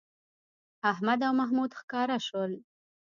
احمد او محمود ښکاره شول